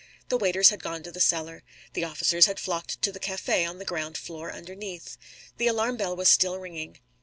The waiters had gone to the cellar. The officers had flocked to the café on the ground floor underneath. The alarm bell was still ringing.